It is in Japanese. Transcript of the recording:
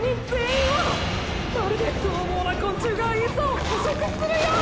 まるで獰猛な昆虫がエサを捕食するように！！